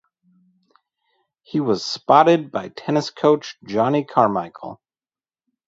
He was spotted by tennis coach Jonny Carmichael.